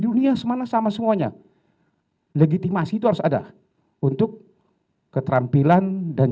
dunia semana sama semuanya legitimasi itu harus ada untuk keterampilan dan